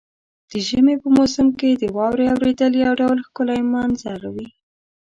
د ژمي په موسم کې د واورې اورېدل یو ډېر ښکلی منظر وي.